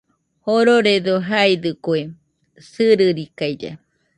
Jororedo jaidɨkue sɨrɨrikailla.